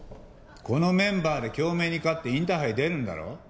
このメンバーで京明に勝ってインターハイ出るんだろ？